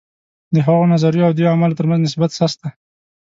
د هغو نظریو او دې اعمالو ترمنځ نسبت سست دی.